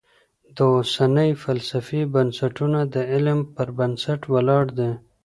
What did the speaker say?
د اوسنۍ فلسفې بنسټونه د علم پر بنسټ ولاړ دي.